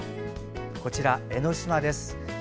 こちら、江の島です。